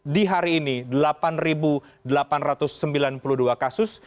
di hari ini delapan delapan ratus sembilan puluh dua kasus